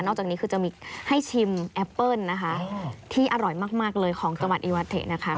จากนี้คือจะมีให้ชิมแอปเปิ้ลนะคะที่อร่อยมากเลยของจังหวัดอีวาเทนะคะ